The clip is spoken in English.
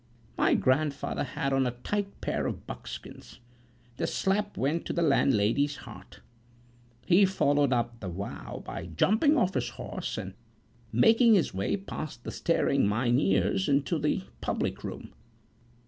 "My grandfather had on a tight pair of buckskins the slap went to the landlady's heart. He followed up the vow by jumping off his horse, and making his way past the staring Mynheers into the public room.